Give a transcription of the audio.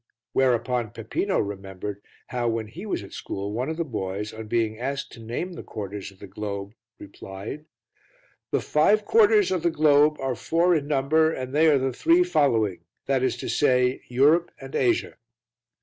Whereupon Peppino remembered how when he was at school one of the boys, on being asked to name the quarters of the globe, replied "The five quarters of the globe are four in number and they are the three following, viz. Europe and Asia."